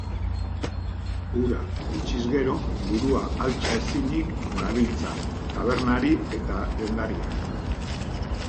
Hura itxiz gero burua altxa ezinik dabiltza tabernari eta dendariak.